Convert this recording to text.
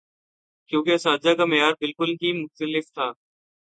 کیونکہ اساتذہ کا معیار بالکل ہی مختلف تھا۔